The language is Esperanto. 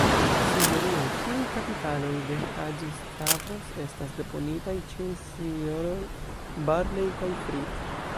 Sinjorino, ĉiuj kapitaloj de Haĝi-Stavros estas deponitaj ĉe S-roj Barlei kaj Fritt.